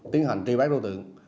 tiến hành truy bác đối tượng